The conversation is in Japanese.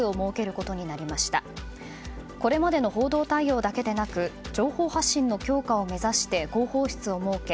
これまでの報道対応だけでなく情報発信の強化を目指して広報室を設け